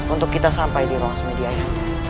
untuk kita sampai di ruang semedi ayah